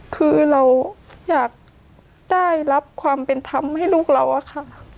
คือเราอยากได้รับความเป็นธรรมให้ลูกเราอะค่ะ